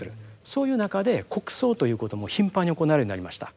そういう中で国葬ということも頻繁に行われるようになりました。